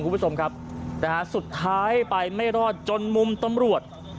คุณผู้ชมครับนะฮะสุดท้ายไปไม่รอดจนมุมตำรวจ